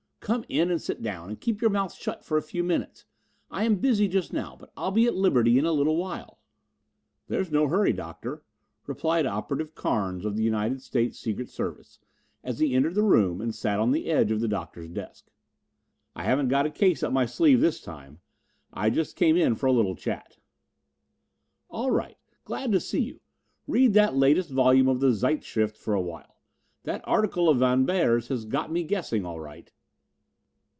"Come in and sit down and keep your mouth shut for a few minutes. I am busy just now but I'll be at liberty in a little while." "There's no hurry, Doctor," replied Operative Carnes of the United States Secret Service as he entered the room and sat on the edge of the Doctor's desk. "I haven't got a case up my sleeve this time; I just came in for a little chat." "All right, glad to see you. Read that latest volume of the Zeitschrift for a while. That article of Von Beyer's has got me guessing, all right."